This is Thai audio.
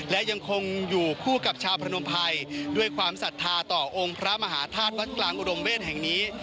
และยังคงอยู่คู่กับชาวพนมภัยด้วยความศรัทธาต่อองค์พระมหาธาตุวัดกลางอุดมเวศแห่งนี้